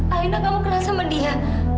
alena kamu kenal sama dia